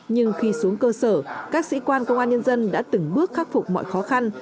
nhưng khi xuống cơ sở các sĩ quan công an nhân dân đã từng bước khắc phục mọi khó khăn